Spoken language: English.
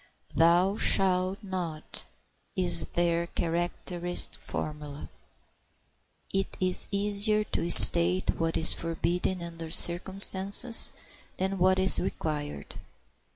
"Thou shalt not," is their characteristic formula. It is easier to state what is forbidden under certain circumstances than what is required.